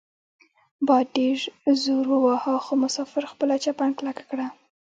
باد ډیر زور وواهه خو مسافر خپله چپن کلکه کړه.